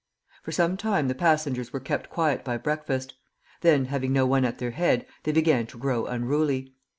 For some time the passengers were kept quiet by breakfast. Then, having no one at their head, they began to grow unruly.